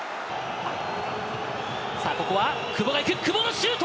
ここは、久保がいく、久保のシュート。